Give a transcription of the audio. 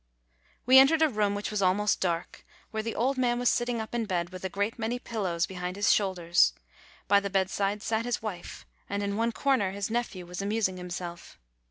We entered a room which was almost dark, where the old man was sitting up in bed, with a great many pillows behind his shoulders; by the bedside sat his wife, and in one corner his nephew was amusing him self.